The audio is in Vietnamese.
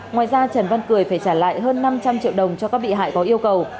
ngoài ra trần văn cười phải trả lại hơn năm trăm linh triệu đồng cho các bị hại có yêu cầu